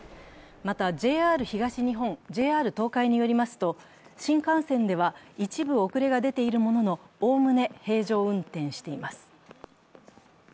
また、ＪＲ東日本、ＪＲ東海によりますと新幹線では一部遅れが出ているもののおおむね平常運転しています。